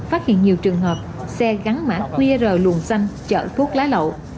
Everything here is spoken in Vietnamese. phát hiện nhiều trường hợp xe gắn mã qr luồng xanh chở thuốc lá lậu